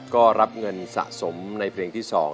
ก็รับเงินสะสมในเพลงที่๒